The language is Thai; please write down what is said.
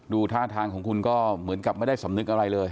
ท่าทางของคุณก็เหมือนกับไม่ได้สำนึกอะไรเลย